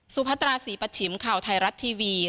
สุพัตราสีปัจฉิมข่าวไทยรัฐทีวี